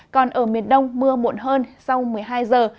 còn ở miền đông mưa muộn hơn sau một mươi hai giờ